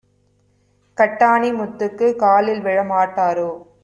கட்டாணி முத்துக்குக் காலில்விழ மாட்டாரோ?"